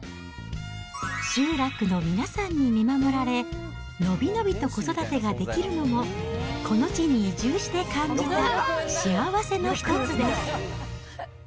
集落の皆さんに見守られ、伸び伸びと子育てができるのも、この地に移住して感じた幸せの一つです。